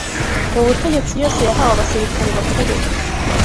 mu butegetsi yose yahawe abasirikare bakuru